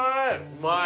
うまい！